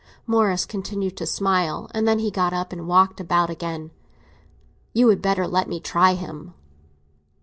Morris continued to smile, and then he got up and walked about again. "You had better let me try him!"